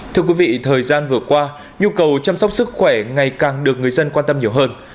thưa quý vị thời gian vừa qua nhu cầu chăm sóc sức khỏe ngày càng được người dân quan tâm nhiều hơn